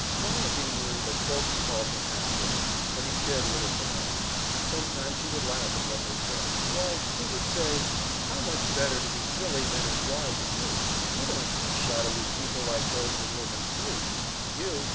Barnaby knew that folks called him half witted, but he cared little for that. Sometimes he would laugh at what they said. "Why," he would say, "how much better to be silly than as wise as you! You don't see shadowy people like those that live in sleep not you.